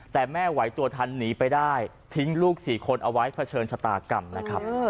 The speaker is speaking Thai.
แต่แม่ไหวตัวทันหนีไปได้ทิ้งลูก๔คนเอาไว้เผชิญชะตากรรมนะครับ